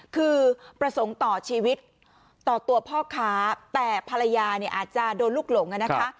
คือประสงค์ต่อชีวิตต่อตัวพ่อค้าแต่ภรรยาเนี่ยอาจจะโดนลูกหลงนะคะ